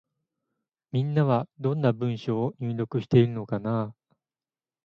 みんなは、どんな文章を入力しているのかなぁ。